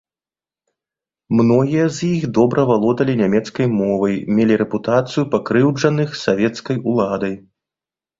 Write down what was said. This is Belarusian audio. Многія з іх добра валодалі нямецкай мовай, мелі рэпутацыю пакрыўджаных савецкай уладай.